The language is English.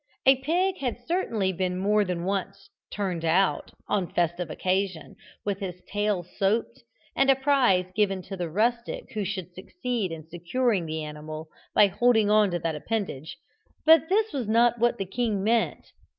A pig had certainly been more than once turned out, on festive occasions, with his tail soaped, and a prize given to the rustic who should succeed in securing the animal by holding on to that appendage; but this was not what the king meant.